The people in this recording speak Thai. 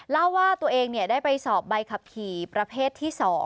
เล่าว่าตัวเองได้ไปสอบใบขับขี่ประเภทที่๒